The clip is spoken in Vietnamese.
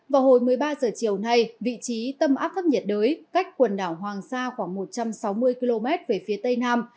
vào hồi một mươi ba h chiều nay vị trí tâm áp thấp nhiệt đới cách quần đảo hoàng sa khoảng một trăm sáu mươi km về phía tây nam